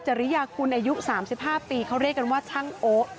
ริยากุลอายุ๓๕ปีเขาเรียกกันว่าช่างโอ๊